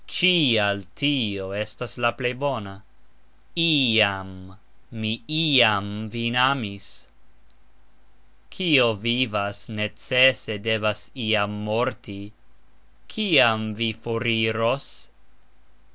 Cxial tio estas la plej bona. "Iam." Mi iam vin amis. Kio vivas, necese devas iam morti. Kiam vi foriros?